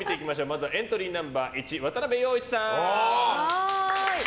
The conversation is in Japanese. まずはエントリーナンバー１渡部陽一さん。